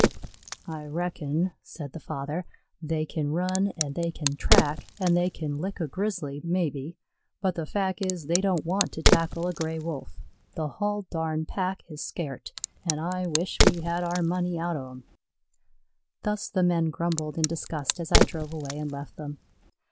"I reckon," said the father, "they kin run, an' they kin track, an' they kin lick a Grizzly, maybe, but the fac' is they don't want to tackle a Gray wolf. The hull darn pack is scairt an' I wish we had our money out o' them." Thus the men grumbled and discussed as I drove away and left them.